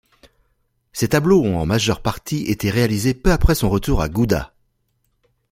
Ces tableaux ont en majeure partie été réalisés peu après son retour à Gouda.